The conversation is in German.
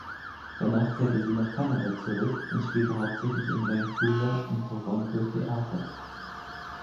Danach kehrte sie nach Kanada zurück und spielte hauptsächlich in Vancouver und Toronto Theater.